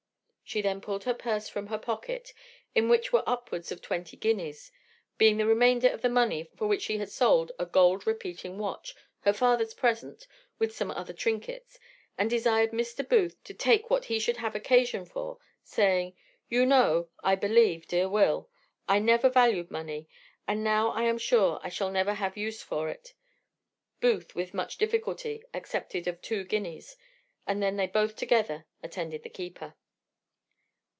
She then pulled her purse from her pocket, in which were upwards of twenty guineas, being the remainder of the money for which she had sold a gold repeating watch, her father's present, with some other trinkets, and desired Mr. Booth to take what he should have occasion for, saying, "You know, I believe, dear Will, I never valued money; and now I am sure I shall have very little use for it." Booth, with much difficulty, accepted of two guineas, and then they both together attended the keeper.